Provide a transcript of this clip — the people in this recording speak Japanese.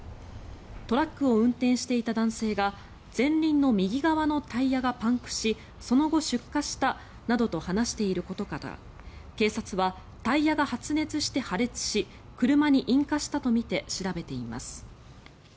トラックを運転していた男性が前輪の右側のタイヤがパンクしその後、出火したなどと話していることから警察はタイヤが発熱して破裂し車に引火したとみて調べています。